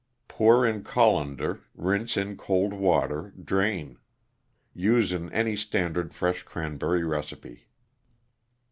Pour in colander, rinse in cold water, drain. Use in any standard fresh cranberry recipe.